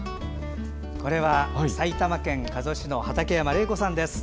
埼玉県加須市の畠山礼子さんです。